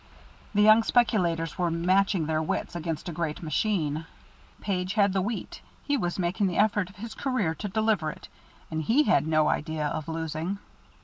The young speculators were matching their wits against a great machine. Page had the wheat, he was making the effort of his career to deliver it, and he had no idea of losing.